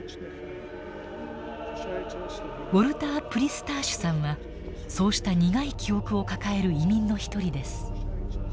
ウォルター・プリスターシュさんはそうした苦い記憶を抱える移民の一人です。